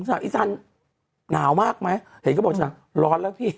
สินะอีสันหนาวมากไหมเห็นก็บอกสินะร้อนแล้วพี่